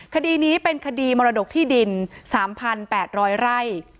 คดีนี้เป็นคดีมรดกที่ดิน๓๘๐๐ไร่